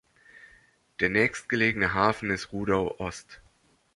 Der nächstgelegene Hafen ist Rudow-Ost.